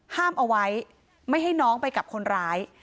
ห้ามเอาไว้ไม่ให้น้องไปกับคนร้าย